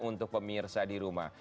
untuk pemirsa di rumah